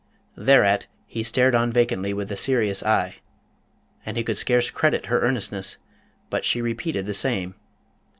Thereat he stared on vacancy with a serious eye, and he could scarce credit her earnestness, but she repeated the same.